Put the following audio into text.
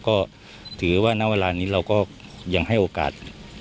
ก็ถือว่าณเวลานี้เราก็ยังให้โอกาส